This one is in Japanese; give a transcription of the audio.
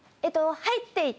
入っていて。